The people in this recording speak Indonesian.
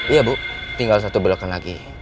iya bu tinggal satu belokan lagi